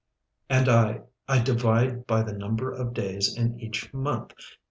"And I I divide by the number of days in each month.